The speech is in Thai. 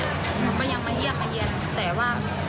แล้วถ้าลูกหลานเขาโดนหรือตัวเขาโดนเอง